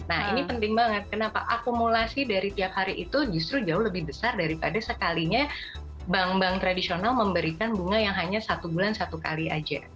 nah ini penting banget kenapa akumulasi dari tiap hari itu justru jauh lebih besar daripada sekalinya bank bank tradisional memberikan bunga yang hanya satu bulan satu kali aja